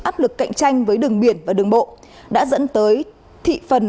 áp lực cạnh tranh với đường biển và đường bộ đã dẫn tới thị phần